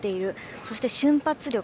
そして瞬発力。